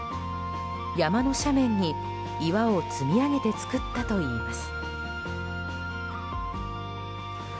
山の斜面に岩を積み上げて作ったといいます。